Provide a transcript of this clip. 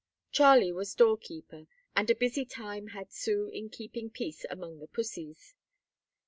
Charlie was door keeper, and a busy time had Sue in keeping peace among the pussies.